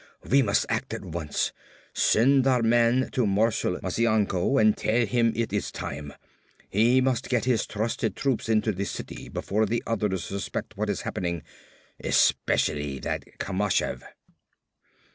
We must act at once! Send our man to Marshal Mazianko and tell him it is time. He must get his trusted troops into the city before the others suspect what is happening, especially that Kamashev."